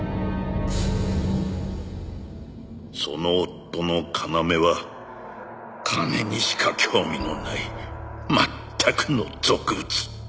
「その夫の要は金にしか興味のない全くの俗物」